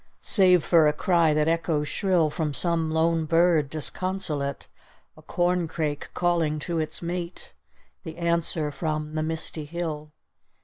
Save for a cry that echoes shrill From some lone bird disconsolate; A corncrake calling to its mate; The answer from the misty hill.